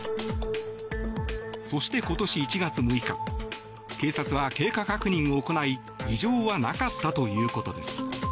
そして今年１月６日警察は経過確認を行い異常はなかったということです。